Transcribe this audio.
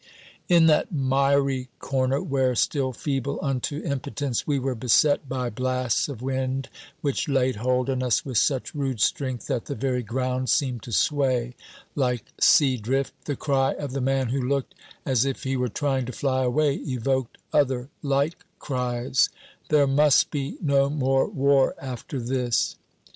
In that miry corner where, still feeble unto impotence, we were beset by blasts of wind which laid hold on us with such rude strength that the very ground seemed to sway like sea drift, the cry of the man who looked as if he were trying to fly away evoked other like cries: "There must be no more war after this!"